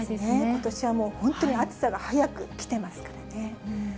ことしはもう本当に暑さが早く来てますからね。